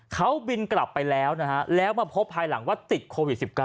เขาบินกลับไปแล้วนะฮะแล้วมาพบภายหลังว่าติดโควิด๑๙